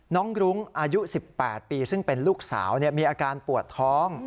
รุ้งอายุ๑๘ปีซึ่งเป็นลูกสาวมีอาการปวดท้อง